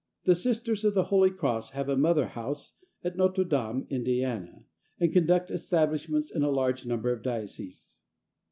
The Sisters of the Holy Cross have a Mother House at Notre Dame, Ind., and conduct establishments in a large number of dioceses.